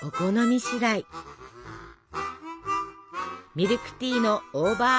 ミルクティーのオーバー